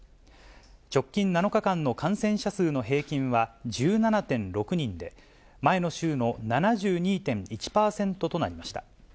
直近７日間の感染者数の平均は、１７．６人で、前の週の７２．１％となりました。